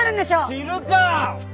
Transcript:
知るか！